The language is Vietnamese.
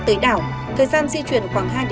tới đảo thời gian di chuyển khoảng